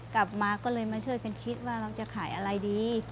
กลับมาก็เลยมาช่วยกันคิดว่าเราจะขายอะไรดี